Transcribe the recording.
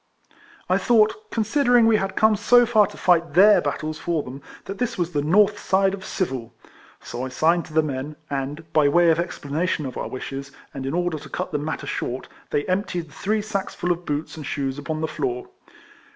I thought, considering we had come so far to fight their battles for them, that this was the north side of civil ; so I signed to the men, and, by way of explanation of our wishes, and in order to cut the matter short, they emptied the three sacksful of boots and shoes upon the floor.